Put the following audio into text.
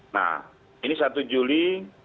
nah ini satu juli